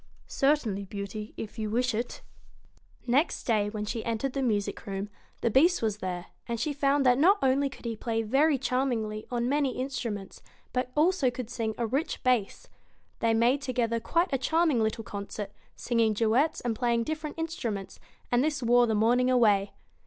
92 'Certainly, Beauty! if you wish it.' Next day when she entered the music room, the Beast was there, and she found that not only could BEAST he play very charmingly on many instruments, but also could sing a rich bass. They made together quite a charming little concert, singing duets and playing different instruments, and this wore the morning away.